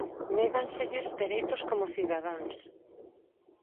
Néganselles dereitos como cidadáns.